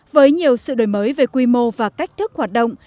với nhiều sự đổi mới về quy mô và cách thức hoạt động